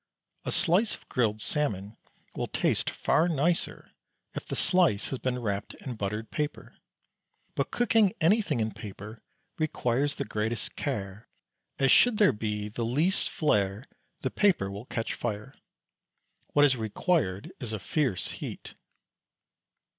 A slice of grilled salmon will taste far nicer if the slice has been wrapped in buttered paper; but cooking anything in paper requires the greatest care, as should there be the least flare the paper will catch fire, what is required is a fierce heat.